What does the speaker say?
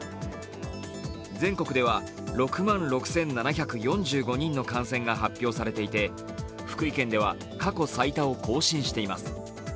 全国では６万６７４５人の感染が発表されていて福井県では過去最多を更新しています。